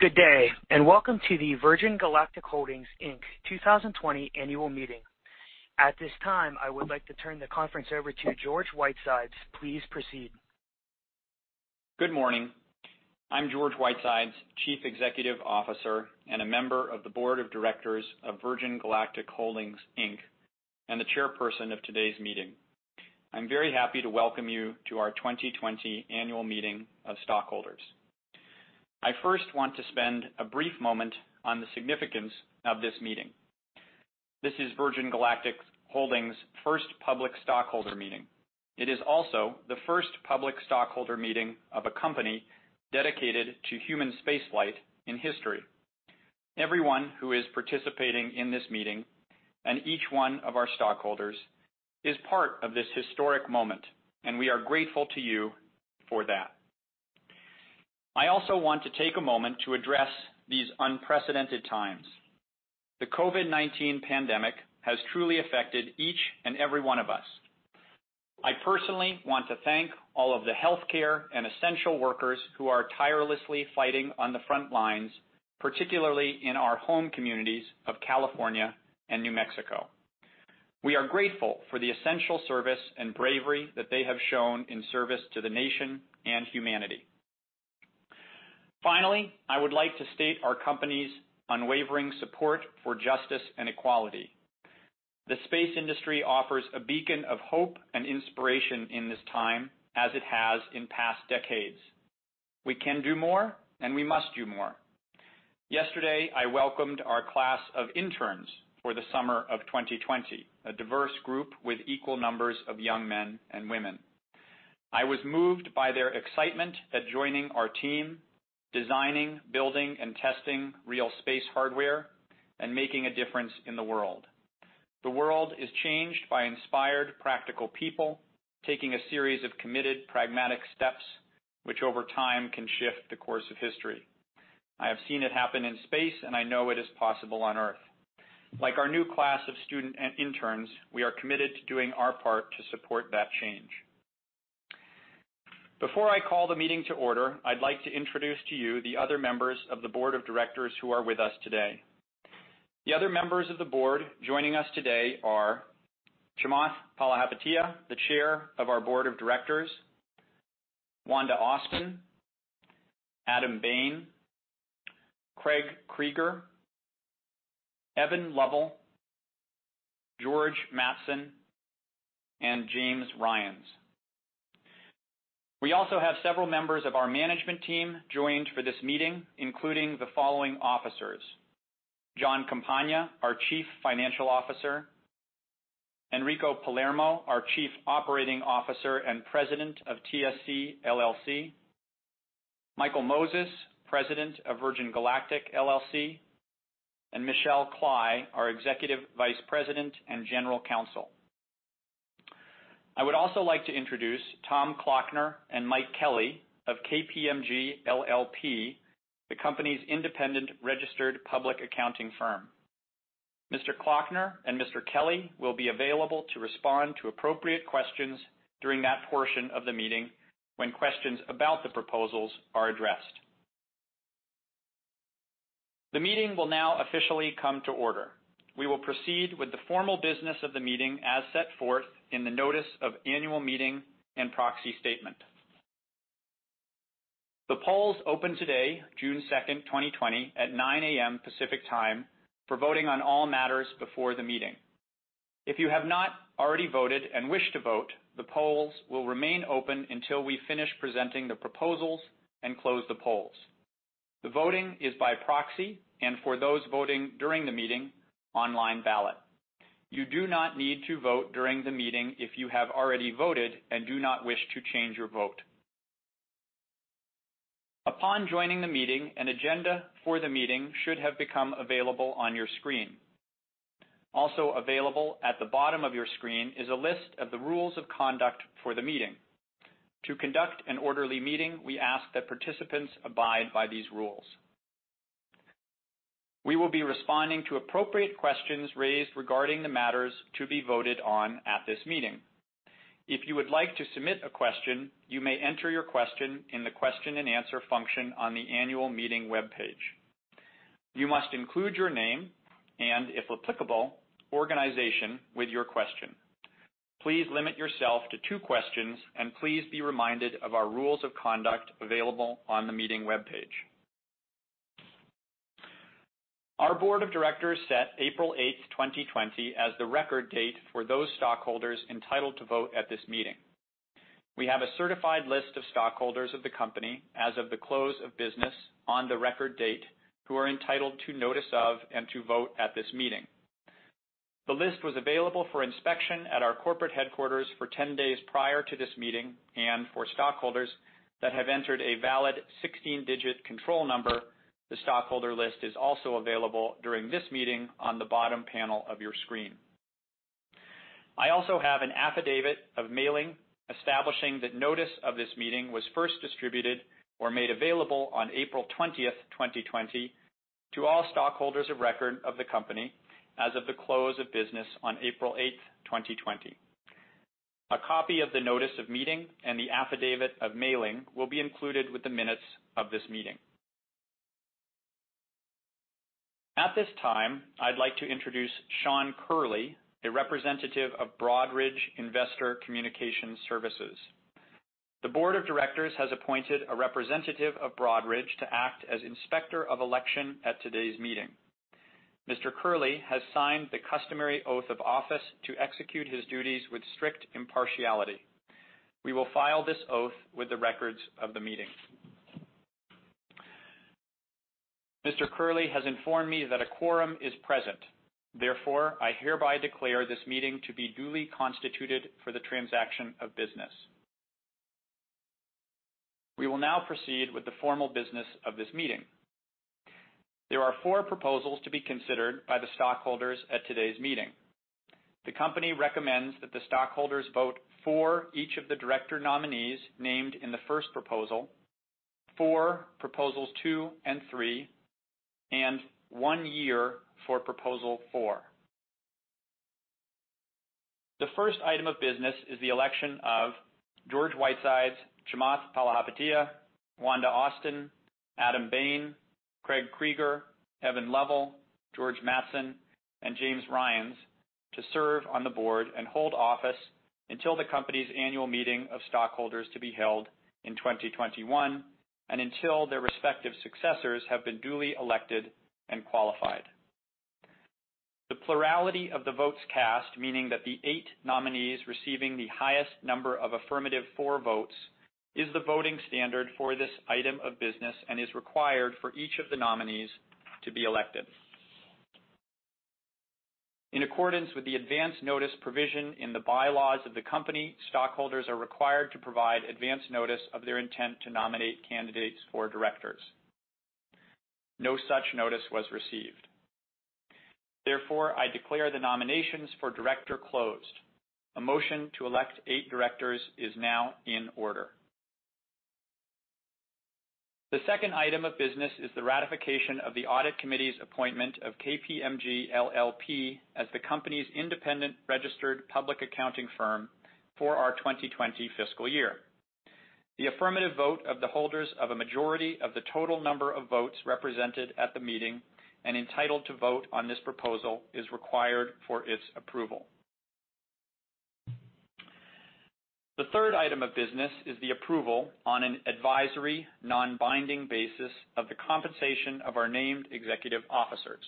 Good day. Welcome to the Virgin Galactic Holdings, Inc. 2020 Annual Meeting. At this time, I would like to turn the conference over to George Whitesides. Please proceed. Good morning. I'm George Whitesides, Chief Executive Officer and a member of the Board of Directors of Virgin Galactic Holdings, Inc., and the chairperson of today's meeting. I'm very happy to welcome you to our 2020 Annual Meeting of Stockholders. I first want to spend a brief moment on the significance of this meeting. This is Virgin Galactic Holdings' first public stockholder meeting. It is also the first public stockholder meeting of a company dedicated to human space flight in history. Everyone who is participating in this meeting, and each one of our stockholders, is part of this historic moment, and we are grateful to you for that. I also want to take a moment to address these unprecedented times. The COVID-19 pandemic has truly affected each and every one of us. I personally want to thank all of the healthcare and essential workers who are tirelessly fighting on the front lines, particularly in our home communities of California and New Mexico. We are grateful for the essential service and bravery that they have shown in service to the nation and humanity. Finally, I would like to state our company's unwavering support for justice and equality. The space industry offers a beacon of hope and inspiration in this time, as it has in past decades. We can do more, and we must do more. Yesterday, I welcomed our class of interns for the summer of 2020, a diverse group with equal numbers of young men and women. I was moved by their excitement at joining our team, designing, building, and testing real space hardware and making a difference in the world. The world is changed by inspired, practical people taking a series of committed, pragmatic steps, which over time can shift the course of history. I have seen it happen in space, and I know it is possible on Earth. Like our new class of student and interns, we are committed to doing our part to support that change. Before I call the meeting to order, I'd like to introduce to you the other members of the board of directors who are with us today. The other members of the board joining us today are Chamath Palihapitiya, the chair of our board of directors, Wanda Austin, Adam Bain, Craig Kreeger, Evan Lovell, George Mattson, and James Ryans. We also have several members of our management team joined for this meeting, including the following officers: Jon Campagna, our Chief Financial Officer, Enrico Palermo, our Chief Operating Officer and President of TSC LLC, Michael Moses, President of Virgin Galactic LLC, and Michelle Kley, our Executive Vice President and General Counsel. I would also like to introduce Tom Klockner and Mike Kelly of KPMG LLP, the company's independent registered public accounting firm. Mr. Klockner and Mr. Kelly will be available to respond to appropriate questions during that portion of the meeting when questions about the proposals are addressed. The meeting will now officially come to order. We will proceed with the formal business of the meeting as set forth in the notice of annual meeting and proxy statement. The polls opened today, June 2nd, 2020, at 9:00 A.M. Pacific Time for voting on all matters before the meeting. If you have not already voted and wish to vote, the polls will remain open until we finish presenting the proposals and close the polls. The voting is by proxy, and for those voting during the meeting, online ballot. You do not need to vote during the meeting if you have already voted and do not wish to change your vote. Upon joining the meeting, an agenda for the meeting should have become available on your screen. Also available at the bottom of your screen is a list of the rules of conduct for the meeting. To conduct an orderly meeting, we ask that participants abide by these rules. We will be responding to appropriate questions raised regarding the matters to be voted on at this meeting. If you would like to submit a question, you may enter your question in the question-and-answer function on the annual meeting webpage. You must include your name and, if applicable, organization with your question. Please limit yourself to two questions, and please be reminded of our rules of conduct available on the meeting webpage. Our board of directors set April 8th, 2020, as the record date for those stockholders entitled to vote at this meeting. We have a certified list of stockholders of the company as of the close of business on the record date, who are entitled to notice of and to vote at this meeting. The list was available for inspection at our corporate headquarters for 10 days prior to this meeting, and for stockholders that have entered a valid 16-digit control number, the stockholder list is also available during this meeting on the bottom panel of your screen. I also have an affidavit of mailing establishing that notice of this meeting was first distributed or made available on April 20th, 2020, to all stockholders of record of the company as of the close of business on April 8th, 2020. A copy of the notice of meeting and the affidavit of mailing will be included with the minutes of this meeting. At this time, I'd like to introduce Sean Curley, a representative of Broadridge Investor Communication Solutions. The board of directors has appointed a representative of Broadridge to act as inspector of election at today's meeting. Mr. Curley has signed the customary oath of office to execute his duties with strict impartiality. We will file this oath with the records of the meeting. Mr. Curley has informed me that a quorum is present, therefore, I hereby declare this meeting to be duly constituted for the transaction of business. We will now proceed with the formal business of this meeting. There are four proposals to be considered by the stockholders at today's meeting. The company recommends that the stockholders vote for each of the director nominees named in the first proposal, for proposals two and three, and one year for proposal four. The first item of business is the election of George Whitesides, Chamath Palihapitiya, Wanda Austin, Adam Bain, Craig Kreeger, Evan Lovell, George Mattson, and James Ryans to serve on the board and hold office until the company's annual meeting of stockholders to be held in 2021, and until their respective successors have been duly elected and qualified. The plurality of the votes cast, meaning that the eight nominees receiving the highest number of affirmative "for" votes, is the voting standard for this item of business and is required for each of the nominees to be elected. In accordance with the advance notice provision in the bylaws of the company, stockholders are required to provide advance notice of their intent to nominate candidates for directors. No such notice was received. I declare the nominations for director closed. A motion to elect eight directors is now in order. The second item of business is the ratification of the audit committee's appointment of KPMG LLP as the company's independent registered public accounting firm for our 2020 fiscal year. The affirmative vote of the holders of a majority of the total number of votes represented at the meeting and entitled to vote on this proposal is required for its approval. The third item of business is the approval on an advisory, non-binding basis of the compensation of our named executive officers.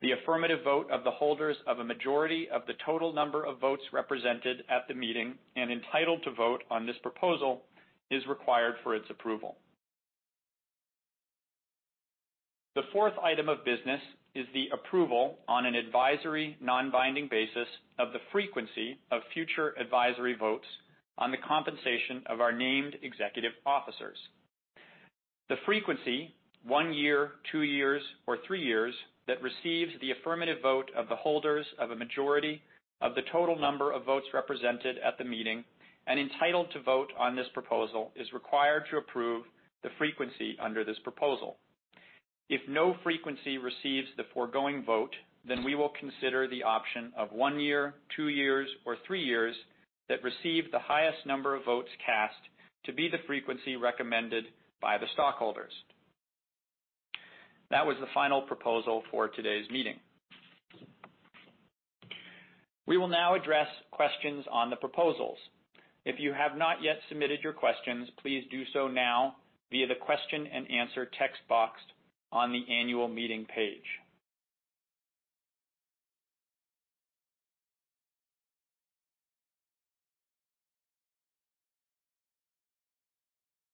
The affirmative vote of the holders of a majority of the total number of votes represented at the meeting and entitled to vote on this proposal is required for its approval. The fourth item of business is the approval on an advisory, non-binding basis of the frequency of future advisory votes on the compensation of our named executive officers. The frequency, one year, two years, or three years, that receives the affirmative vote of the holders of a majority of the total number of votes represented at the meeting and entitled to vote on this proposal is required to approve the frequency under this proposal. If no frequency receives the foregoing vote, we will consider the option of one year, two years, or three years that received the highest number of votes cast to be the frequency recommended by the stockholders. That was the final proposal for today's meeting. We will now address questions on the proposals. If you have not yet submitted your questions, please do so now via the question and answer text box on the annual meeting page.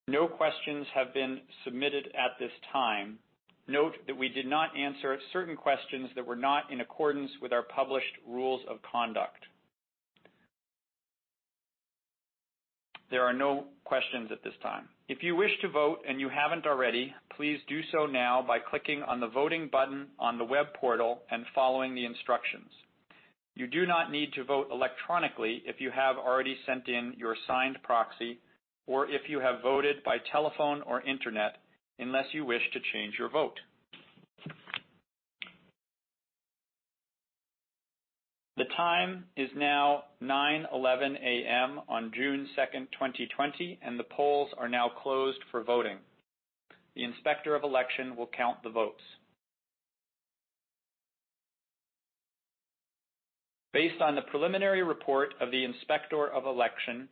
No questions have been submitted at this time. Note that we did not answer certain questions that were not in accordance with our published rules of conduct. There are no questions at this time. If you wish to vote and you haven't already, please do so now by clicking on the Voting button on the web portal and following the instructions. You do not need to vote electronically if you have already sent in your signed proxy or if you have voted by telephone or internet, unless you wish to change your vote. The time is now 9:11 A.M. on June 2nd, 2020, and the polls are now closed for voting. The inspector of election will count the votes. Based on the preliminary report of the inspector of election,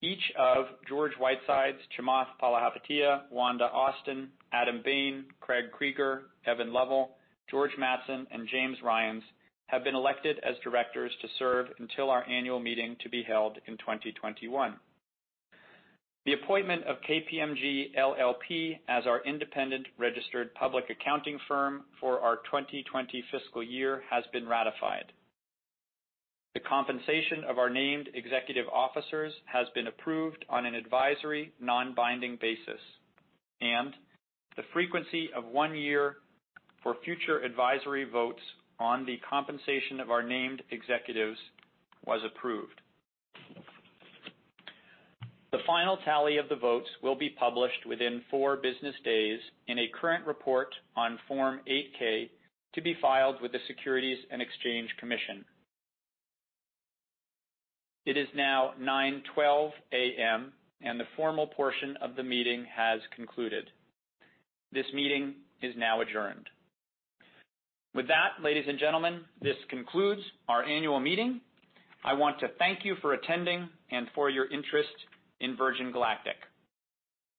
each of George Whitesides, Chamath Palihapitiya, Wanda Austin, Adam Bain, Craig Kreeger, Evan Lovell, George Mattson, and James Ryans have been elected as directors to serve until our annual meeting to be held in 2021. The appointment of KPMG LLP as our independent registered public accounting firm for our 2020 fiscal year has been ratified. The compensation of our named executive officers has been approved on an advisory, non-binding basis, and the frequency of one year for future advisory votes on the compensation of our named executives was approved. The final tally of the votes will be published within four business days in a current report on Form 8-K to be filed with the Securities and Exchange Commission. It is now 9:12 A.M., and the formal portion of the meeting has concluded. This meeting is now adjourned. With that, ladies and gentlemen, this concludes our annual meeting. I want to thank you for attending and for your interest in Virgin Galactic.